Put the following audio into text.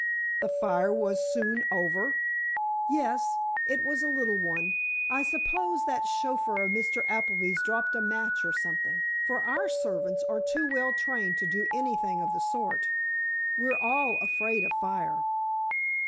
"The fire was soon over?" "Yes, it was a little one. I suppose that chauffeur of Mr. Appleby's dropped a match or something—for our servants are too well trained to do anything of the sort. We're all afraid of fire."